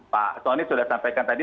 pak soni sudah sampaikan tadi